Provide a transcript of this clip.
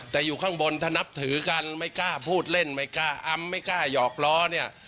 แต่อยู่ข้างบนถ้านับถือกันไม่กล้าพูดเล่นไม่กล้าอำไม่กล้าหยอกล้อเนี่ย